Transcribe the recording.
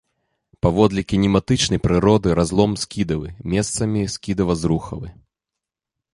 Паводле кінематычнай прыроды разлом скідавы, месцамі скідава-зрухавы.